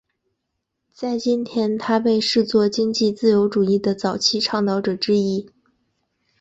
在今天他被视作经济自由主义的早期倡导者之一。